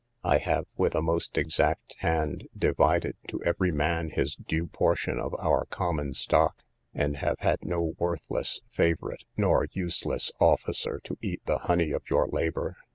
I have, with a most exact hand, divided to every man his due portion of our common stock, and have had no worthless favourite nor useless officer to eat the honey of your labour.